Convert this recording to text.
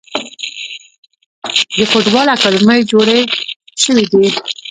د فوټبال اکاډمۍ جوړې شوي دي.